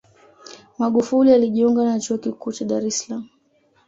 Magufuli alijiunga na Chuo Kikuu cha Dar es Salaam